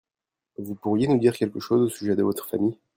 Vous pourriez nous dire quelque chose au sujet de votre famille ?